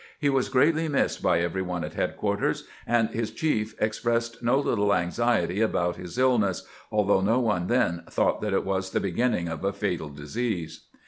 He was greatly missed by every one at headquarters, and his chief expressed no little anxiety about his illness, al though no one then thought that it was the beginning of a fatal disease.